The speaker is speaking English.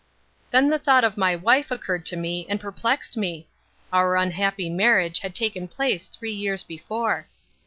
Then the thought of my wife occurred to me and perplexed me. Our unhappy marriage had taken place three years before.